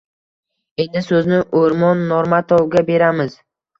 Endi so‘zni O‘rmon Normatovga beramiz.